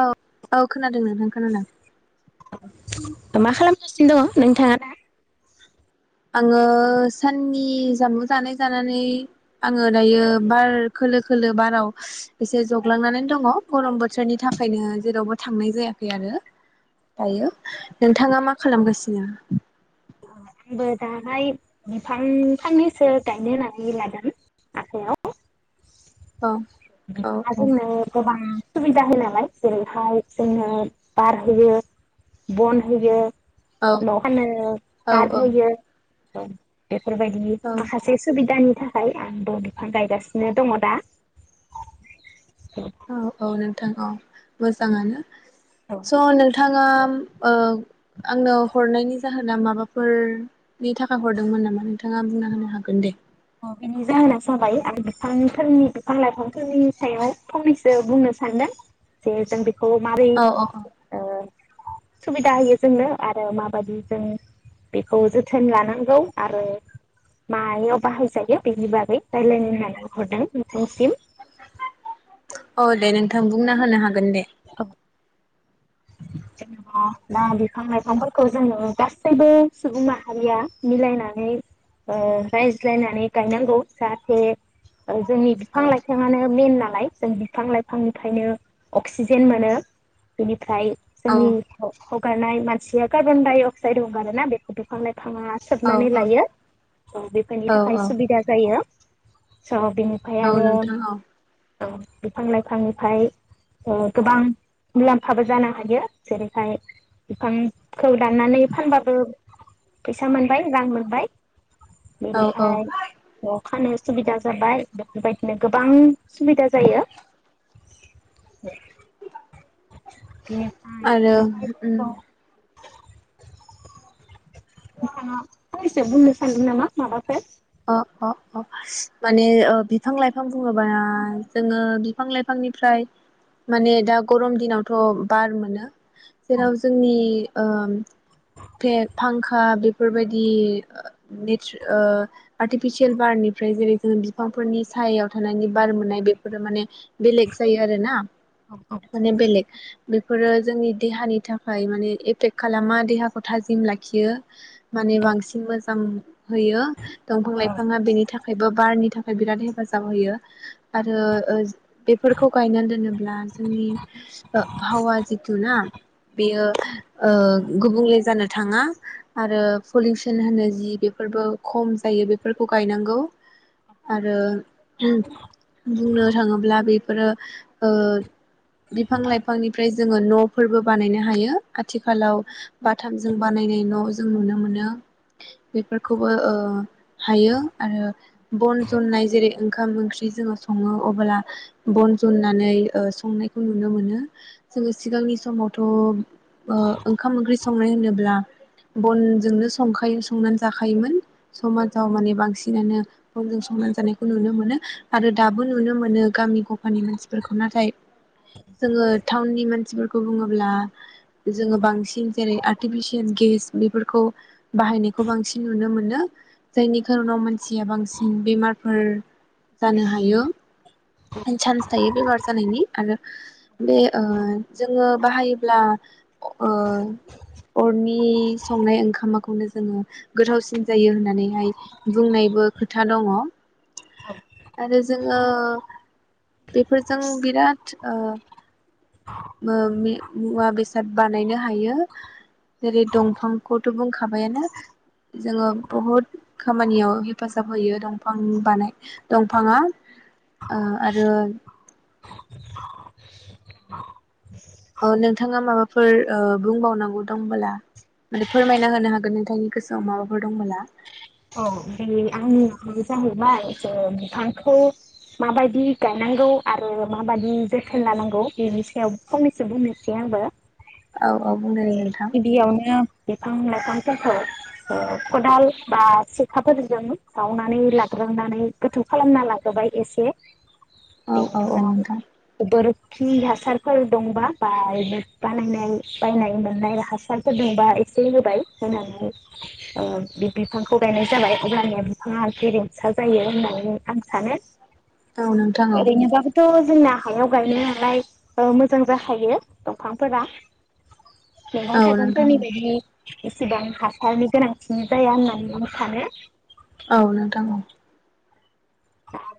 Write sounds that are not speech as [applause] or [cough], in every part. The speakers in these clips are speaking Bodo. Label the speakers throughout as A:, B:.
A: औ औ खोनादों नोंथां खोनादों।
B: गासिनो दं नोंथाङा दा?
A: आङो साननि जामु जानाय जानानै आङो दायो बार खोलो खोलो बाराव एसे जग्लांनानै दङ'। रम बोथोरनि थाखायनो जेरावबो थांनाय जायाखै आरो दायो। नोंथाङा मा खालामगासिनो?
B: आंबो दाहाय बिफां फांनैसो गायनो होननानै लादों आखाइयाव।
A: औ औ
B: बिफाङा
A: औ
B: जोंनो गोबां सुबिदा होयो नालाय जेरैहाय जोंनो बार होयो, बन होयो।
A: औ
B: ना
A: औ
B: फानना [unintelligible] [unintelligible] औ। बेफोरबायदि
A: औ
B: माखासे सुबिदानि नि थाखाय आं दंफां गायगासिनो दङ' दा।
A: औ औ नों थां औ मोजाङानो। स' नोंथाङा ओं आंनो हरनायनि जाहोना माबाफोरनि थाखाय हरदोंमोन नामा नों नोंथाङा बुंना होनो हागोन दे।
B: औ बिनि जाहोना जाबाय आं बिफांफोरनि बिफां लाइफांफोरनि सायाव फंनैसो बुंनो सानदों। जे जों बि खौ मारै
A: औ औ औ
B: ओ सुबिदा होयो जोंनो आरो माबायदि जों बेखौ जोथोन लानांगौ आरो मायाव बाहायजायो बेनि बागै रायलायनो होननानै हरदों नोंथांनिसिम।
A: औ दे नोंथां बुंना होनो हा गोन दे
B: [unintelligible] अ लामा बिफां लाइफांफोर खौ जोङो गासैबो सुबुं माहारिया मिलायनानै ओ रायज्लायनानै गायनांगौ जाहाथे जोंनि बिफां लाइफाङानो मेन नालाय जों बिफां लाइफांनिफ्रायनो- अक्सिजेन मोनो बिनि फ्राय
A: औ
B: जोंनि हब हब ओंखारनाय मानसिया कार्बन डाइअक्साइड हंगारो ना आरो बेखौ बिफां लाइ बिफाङा सोबनानै
A: औ
B: लायो
A: औ
B: बेफोरनि थाखाय
A: औ
B: सुबिदा जायो। स' बिनिफ्राय
A: औ
B: आरो
A: नोंथां औ
B: औ बिफां लाइफांनिफ्राय गोबां मुलाम्फाबो जानो हायो जेरैहाय बिफांखौ दाननानै फानबाबो फैसा मोनबाय रां मोनबाय
A: औ औ
B: बेनिफ्राय अखानो सुबिदा जाबाय बेफोरबायदिनो गोबां सुबिदा जायो [unintelligible] [unintelligible] बिनिफ्राय
A: आरो उम
B: नोंथाङा बिफांआ फंसे बुंनो सानदों नामा माबाफोर
A: अ अ-अ माने बिफां लाइफां बुङोब्ला जोङो बिफां लाइफांनिफ्राय माने दा गरम दिनावथ' बार मोनो जेराव जोंनि औ फे-फांखा बेफोरबायदि नि ओ आर्टिफिसियेल बारनिफ्राय जेरै जोङो बिफांफोरनि सायाव थानायनि बार मोननाय बेफोरो माने बेलेग जायो आरो ना माने बेलेग बेफोरो जोंनि देहानि थाखाय माने एफेक्ट खालामा देहाखौ थाजिम लाखियो माने बांसिन मोजां होयो। दंफां लाइफाङा बेनि थाखायबो बारनि थाखाय बिराद हेफाजाब होयो आरो बेफोरखौ गायनानै दोनोब्ला जोंनि आबहावा जिथु ना बेयो ओ गुबुंले जानो थाङा आरो पलिउसन होनो जि बेफोरबो खम जायो बेफोरखौ गायनांगौ आरो बुंनो थाङोब्ला बे फोरो ओ बिफां लाइफांनिफ्राय जोङो न'फोरबो बानायनो हायो आथिखालाव बाथामजों बानायनाय न' जों नुनो मोनो बेफोरखौबो ओ हायो आरो बन जननाय जेरै ओंखाम ओंख्रि जोङो सङो अब्ला बन जन्नानै संनायखौ नुनो मोनो जोङो सिगांनि समावथ' ओंखाम ओंख्रि संनाय होनोब्ला बनजोंनो संखायो संनानै जाखायोमोन समाजाव माने बांसिनानो बंजों संनानै जानायखौ नुनो मोनो आरो दाबो नुनो मोनो गामि गफानि मानसिफोरखौ नाथाय जोङो टाउननि मानसिफोरखौ बुङोब्ला जोङो बांसिन जेरै आर्टिफिसियेल गेस बेफोरखौ बाहायनायखौ बांसिन नुनो मोनो जायनि खार'नाव मानसिया बांसिन बेमार फोर जानो हायो चान्स थायो बेमार जानायनि आरो बे ओ जोङो बाहायोब्ला ओ अरनि संनाय ओंखामाखौनो जोङो गोथावसिन जायो होननानैहाय बुंनायबो खोथा दङ। आरो जोङो बेफोरजों बिराद ओ ओ मुवा बेसाद बानायनो हायो जेरै दंफांखौथ' बुंखाबायानो जोङो। बहुद खामानियाव हेफाजाब होयो दंफां बानाय दंफाङा ओ आरो ओ नोंथाङा माबाफोर ओ बुंबावनांगौ दंबोला माने फोरमायना होनो हागोन नोंथांनि गोसोआव माबाफोर दंबोला
B: औ बे आंनि जाहैबाय जों बिफांखौ माबायदि गायनांगौ आरो माबायदि जोथोन लानांगौ बेनि सायाव फंनैसो बुंनोसै आंबो
A: औ औ बुंदो दे
B: ए
A: नोंथां
B: गिबियावनो बिफां होननाय खन्थाखौ खदाल बा सिखाफोरजों जावनानै लाग्रोनानै गोथौ खालामना लाग्रोबाय एसे।
A: औ औ
B: बेनि
A: औ
B: उनाव
A: नोंथां
B: बोर खि हासारफोर दंबा बा-बानायनाय बायनाय मोननाय हासारफोर दंबा एसे होबाय होनानै ओ बि बिफांखौ गायनाय जाबाय अब्लानिया बिफाङा गेरेमसा जायो होननानै आं सानो।
A: औ नोंथां औ
B: ओरैनोबाबोथ' जोंना हायाव गायनाय नालाय ओ मोजां जाखायो दंफांफोरा। मैगं
A: औ नोंथां
B: थाइगंफोरनि बायदि इसिबां हासारनि गोनांथि जाया होननानै सानो
A: औ नोंथां औ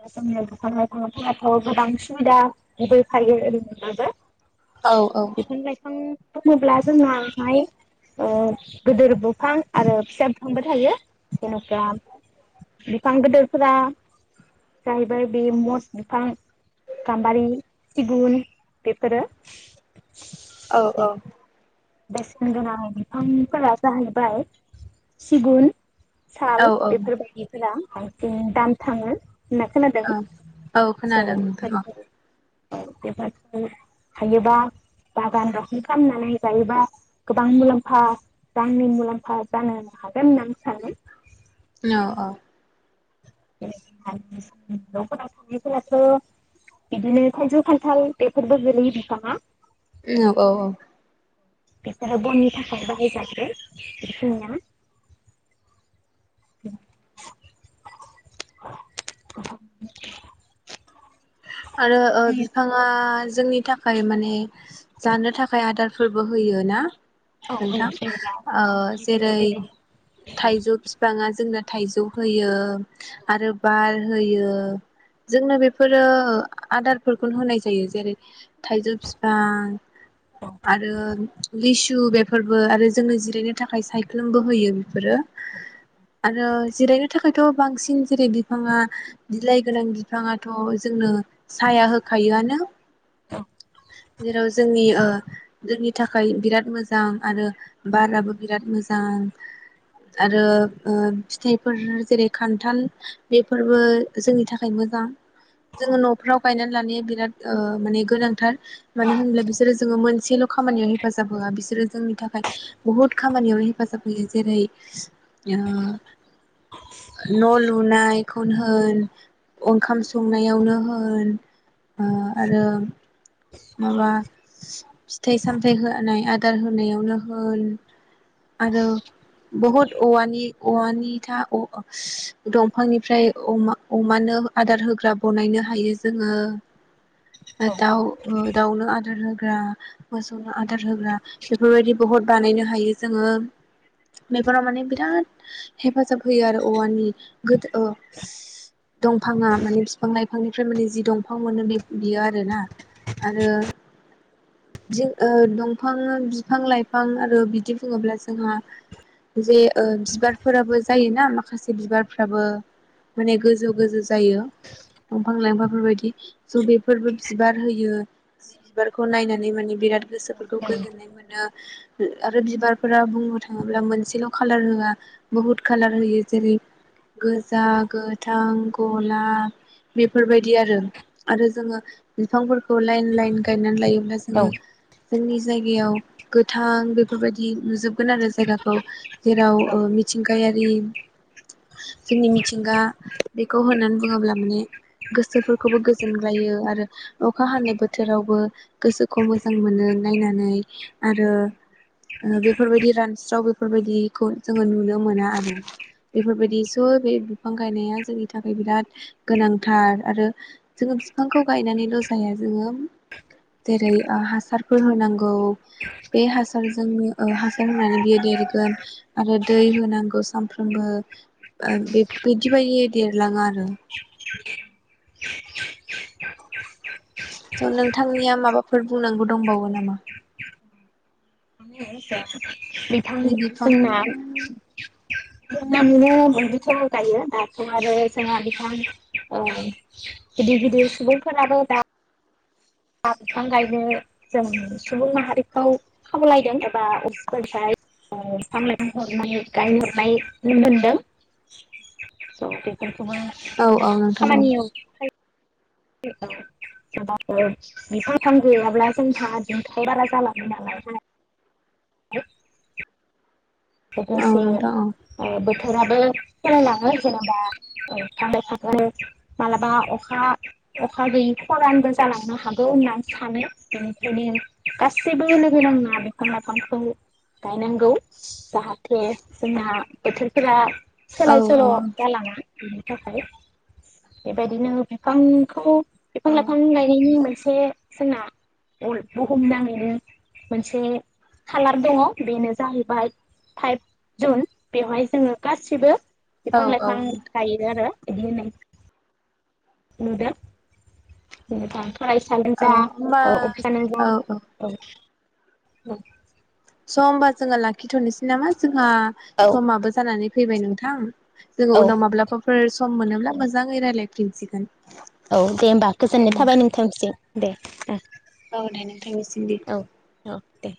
B: दा जोंनो दंफां लाइफांफोराथ' गोबां सुबिदा होखायो ओरैनोब्लाबो।
A: औ औ
B: बिफां लाइफां दङोब्ला जोंनाहाय ओ गोदोर दंफां आरो फिसा दंफांबो थायो जेनबा बिफां गोदोरफोरा जाहैबाय बे मस बिफां गाम्बारि सिगुन बेफोरो
A: औ औ
B: बेसेन गोनां बिफांफोरा जाहैबाय सिगुन साल
A: औ
B: बेफोरबायदिफोरा बांसिन दाम थाङो। होनना खोनादों
A: औ औ
B: स'
A: खोनादों नोंथां औ
B: [unintelligible] हायोबा बागान रखम खालामनानै जायोबा गोबां मुलाम्फा रांनि मुलाम्फा जानो हागोन होननानै सानो।
A: औ औ
B: न'फोराव थानायफोराथ' बिदिनो थाइजौ खान्थाल बेफोरबो गोलैयो बिफाङा
A: औ औ औ
B: बेफोरो बननि थाखाय बाहायजाग्रो बेखिनिया
A: आरो ओ बिफाङा जोंनि थाखाय माने जानो थाखाय आदारफोरबो होयो ना।
B: औ
A: नोंथां
B: जेनेबा
A: ओ
B: ओमफ्राय जों
A: जेरै
B: बेबायदि
A: थाइजौ बिफाङा जोंनो थाइजौ होयो आरो बार होयो जोंनो बे बेफोरो आदारफोरखौनो होनाय जायो, जेरै थाइजौ बिफां आरो लिसु बेफोरबो आरो जोंनो जिरायनो थाखाय सायख्लुमबो होयो बेफोरो। आरो जिरायनो थाखायथ बांसिन जेरै बिफाङा बिलाइ गोनां बिफाङा थ जोंनो साया होखायोआनो, जेराव जोंन ओ जोंनि थाखाय बिराद मोजां आरो बाराबो बिराद मोजां आरो ओ फिथाइफोर जेरै खान्थाल बेफोरबो जोंनि थाखाय मोजां। जोङो नफ्राव गायनानै लानाया बिराद ओ माने गोनांथार। मानो होनब्ला बिसोरो जोङो मोनसेल' खामानियाव हेफाजाब होआ बिसोरो जोंनि थाखाय बुहुद खामानियाव हेफाजाब होयो, जेरै न' लुनायखौनो होन ओंखाम संनायावनो होन आरो माबा फिथाइ सामथायाइ होनाय आदार होनायावनो होन, आरो बहुद औवानि औवानि था दंफांनिफ्राय मा अमानो आदार होग्रा बनायनो हायो जोङो। दाउ दाउनो आदार होग्रा, मोसौनो आदार होग्रा बेफोरबायदि बहुद बानायनो हायो जोङो। बेफोराव माने बिराद हेफाजाब होयो आरो औवानि गोद दंफाङा माने बिफां लाइफांनिफ्राय माने जि दंफां मोनो बियो आरोना। आरो दंफां बिफां लाइफां आरो बिदि बुङोब्ला जोंहा जे बिबारफोराबो जायोना माखासे बिबारफ्राबो माने गोजौ गोजौ जायो दंफां लाइफां बेफोरबायदि स' बेफोरबो बिबार होयो। बिबारखौ नायनानै माने बिराद गोसोफोरखौ गोजोननाय मोनो। आरो बिबारफोरा बुंनो थाङोब्ला मोनसेल' खालार होआ, बुहुत कालार होयो जेरै गोजा, गोथां, गला बेफोरबायदि आरो। आरो जोङो बिफांफोरखौ लाइन गायनानै लायोब्ला
B: औ
A: जोङो जोंनि जायगायाव गोथां बेफोरबायदि नुजोबगोन आरो जायगाखौ। जेराव मिथिं गायारि, जोंनि मिथिंगा बेखौ होननानै बुङोब्ला माने गोसोफोरखौबो गोजोनग्लायो आरो अखा हानाय बोथोरावबो गोसोखौ मोजां मोनो नायनानै आरो बेफोरबायदि रानस्राव बेफोरबायदिखौ जोङो नुनो मोना आरो। बेफोरबायदि स' बे बिफां गायनाया जोंनि थाखाय बिराद गोनांथार, आरो जोङो बिफांखौ गायनानैल' जाया जोङो। जेरै हासारफोर होनांगौ। बे हासारजोंनो हासार होनानै बियो देरगोन आरो दै होनांगौ, सानफ्रोमबो बे बिदि बायदियै देरलाङो आरो। थ' नोंथांनिया माबाफोर बुंनांगौ दंबावो नामा? बे
B: बिफां‌
A: बिफां
B: जोंना [unintelligible] गायो दाथ' आरो जोंहा गोबां गिदिर गिदिर सुबुंफोराबो दा हा बिफां गायनो जों सुबुं माहारिखौ खावलायदों एबा अफिसफोरफ्राय बिफां लाइफां हरनाय गायनोहरनाय मोनदों स' बे
A: औ औ नोंथां औ
B: खामानि सोराबाफोर बिफां [unintelligible] गैयाब्ला जोंहा [unintelligible] बारा जालाङो नालायहाय [unintelligible]
A: औ
B: लोगोसे
A: नोंथां औ
B: बोथो राबो सोलायलाङो जेनेबा बिफां लाइफांखौ मालाबा अखा अखा गैयै खरानबो जालांनो हागौ होननानै सानो। बेनिखायनो गासैबो लोगो नांना बिफां लाइफांखौ गायनांगौ। जाहाथे जोंना बोथोरफोरा सोलाय सोल'
A: औ औ
B: जालाङा बिनि थाखाय बेबायदिनो बिफांखौ
A: औ
B: बिफां-लाइफां गायनायनि मो नसे जोंना अल बुहुम नाङैनो मोनसे खालार दङ बेनो जाहैबाय फाइभ जुन बेवहाय जोङो गासिबो
A: औ
B: बिफां-लाइफां गायो आरो [unintelligible] [unintelligible] फरायसानो जा औ अफिसानो जा औ औ
A: स' होमबा जोंङो लाखिथ'नोसै नामा जों ना
B: औ
A: समाबो जानानै फैबाय नोंथां जोंङो
B: औ
A: उनाव माब्लाबाफोर सम मोनोब्ला मोजांङै रायज्लाय फिनसिगोन
B: औ दे होमबा गोजोननाय थाबाय नोंथांसिम दे ओ
A: औ दे नोंथांनि सिमबो
B: अ दे